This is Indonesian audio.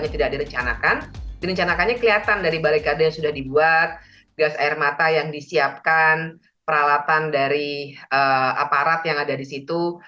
tidak direncanakan direncanakannya kelihatan dari barikade yang sudah dibuat gas air mata yang disiapkan peralatan dari aparat yang ada di situ